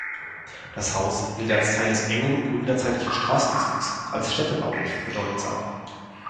Das Haus gilt als Teil des engen gründerzeitlichen Straßenzugs als städtebaulich bedeutsam.